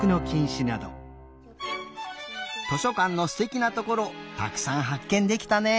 図書かんのすてきなところたくさんはっけんできたね。